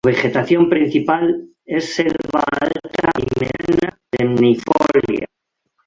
Su vegetación principal es selva alta y mediana perennifolia.